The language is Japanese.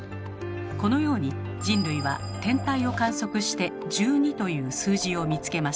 このように人類は天体を観測して「１２」という数字を見つけました。